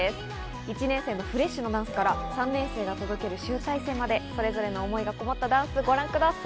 １年生のフレッシュなダンスから３年生が届ける集大成まで、それぞれの思いがこもったダンスをご覧ください。